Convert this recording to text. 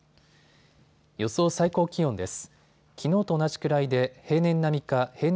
予想最高気温です。